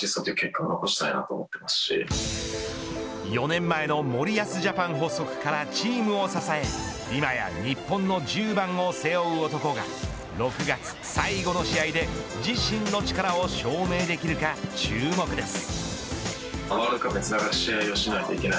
４年前の森保ジャパン発足からチームを支え今や日本の１０番を背負う男が６月最後の試合で自身の力を証明できるか注目です。